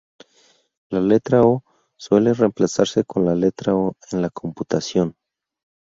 La letra ø suele reemplazarse con la letra o en la computación.